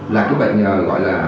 là cái bệnh gọi là